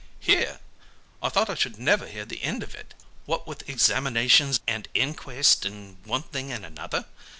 "Hear! I thought I should never hear the end of it, what with examinations and inquests and one thing and another.